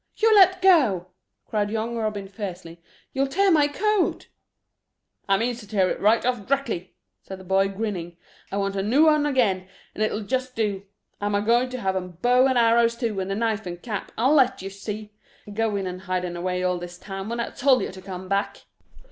"You let go," cried young Robin fiercely. "You'll tear my coat." "I means to tear it right off dreckly," said the boy, grinning. "I want a noo un again, and it'll just do. I'm a going to have them bow and arrows too, and the knife and cap, I'll let you see! Going and hiding away all this time, when I told yer to come back!"